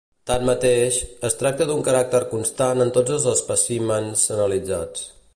Tanmateix, es tracta d'un caràcter constant en tots els espècimens analitzats.